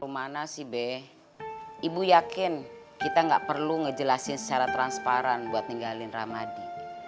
mana sih be ibu yakin kita nggak perlu ngejelasin secara transparan buat ninggalin ramadi